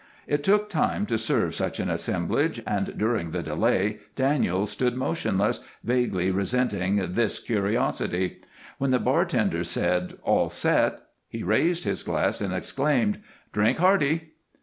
It took time to serve such an assemblage, and during the delay Daniels stood motionless, vaguely resenting this curiosity. When the bartender said "All set!" he raised his glass and exclaimed, "Drink hearty!"